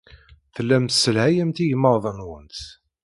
Tellamt tesselhayemt igmaḍ-nwent.